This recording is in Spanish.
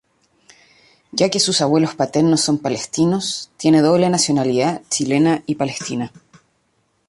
Ya que sus abuelos paternos son palestinos, tiene doble nacionalidad chilena y palestina.